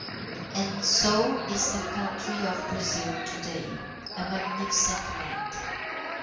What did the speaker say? And so is the country of Brazil to day a magnificent land!